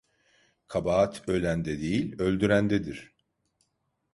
Kabahat ölende değil, öldürendedir.